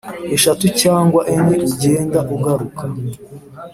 eshatu cyangwa enye ugenda ugaruka